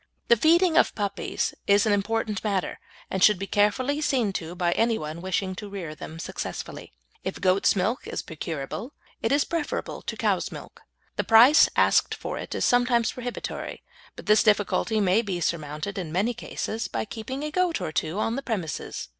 The feeding of puppies is an important matter, and should be carefully seen to by anyone wishing to rear them successfully. If goat's milk is procurable it is preferable to cow's milk. The price asked for it is sometimes prohibitory, but this difficulty may be surmounted in many cases by keeping a goat or two on the premises.